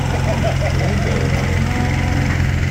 Ini-d awal!